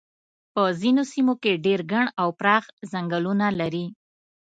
په ځینو سیمو کې ډېر ګڼ او پراخ څنګلونه لري.